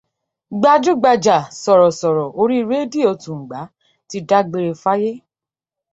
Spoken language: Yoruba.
Gbajúgbajà sọ̀rọ̀sọ̀rọ̀ orí rédíò Tùǹgbá ti dágbére fáyé.